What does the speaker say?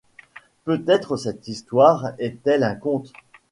Peut-être cette histoire est-elle un conte.